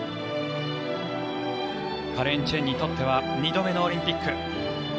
カレン・チェンにとっては２度目のオリンピック。